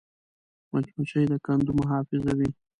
مچمچۍ د کندو محافظ وي